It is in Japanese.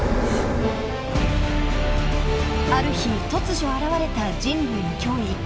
［ある日突如現れた人類の脅威